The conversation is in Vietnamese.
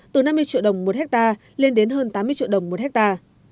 từ năm mươi triệu đồng một hectare lên đến hơn tám mươi triệu đồng một hectare